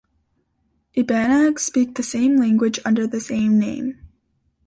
Ibanags speak the same language under the same name.